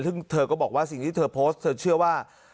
ซึ่งเธอก็บอกว่าสิ่งที่เธอโพสต์เธอเชื่อว่า